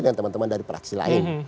dengan teman teman dari praksi lain